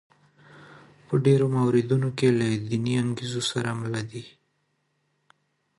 په ډېرو موردونو کې له دیني انګېزو سره مله دي.